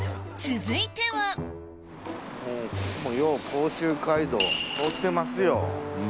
続いてはここもよう甲州街道通ってますよ。